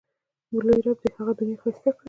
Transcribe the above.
لوی رب دې یې هغه دنیا ښایسته کړي.